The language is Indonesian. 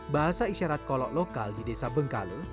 bahasa isyarat kolok lokal di desa bengkalo